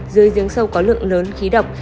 dưới giếng sâu có lượng lớn khí độc